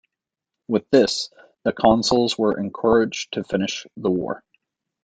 With this, the consuls were encouraged to finish the war.